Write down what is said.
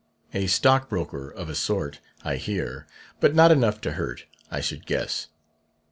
A stockbroker of a sort, I hear, but not enough to hurt, I should guess.